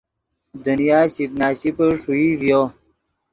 دنیا شیپ نا شیپے ݰوئی ڤیو